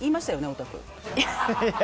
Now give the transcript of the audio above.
おたく。